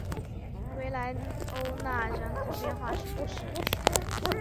维莱欧讷人口变化图示